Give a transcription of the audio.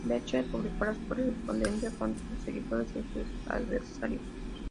Becker publicó la correspondencia con sus seguidores y sus adversarios.